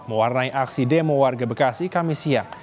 mewarnai aksi demo warga bekasi kami siang